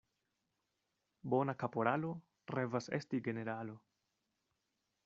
Bona kaporalo revas esti generalo.